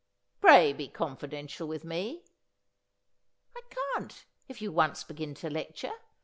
' Pray be confidential with me.' ' I can't, if you once begin to lecture.